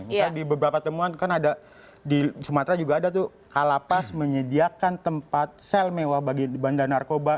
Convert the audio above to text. misalnya di beberapa temuan kan ada di sumatera juga ada tuh kalapas menyediakan tempat sel mewah bagi bandar narkoba